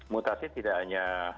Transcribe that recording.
mutasi tidak hanya